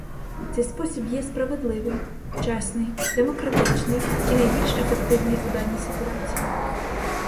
Цей спосіб є справедливий, чесний, демократичний і найбільш ефективний у даній ситуації.